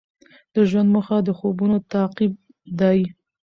د ژوند موخه د خوبونو تعقیب دی.